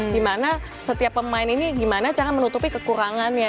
dimana setiap pemain ini gimana cara menutupi kekurangannya